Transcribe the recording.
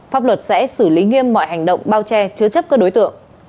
pháp luật sẽ xử lý nghiêm mọi hành động bao che chứa chấp các đối tượng